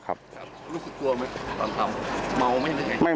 ครับแล้วคุณกลัวไหมตามเมาไหม